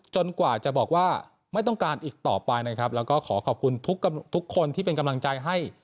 กว่าจะบอกว่าไม่ต้องการอีกต่อไปนะครับแล้วก็ขอขอบคุณทุกทุกคนที่เป็นกำลังใจให้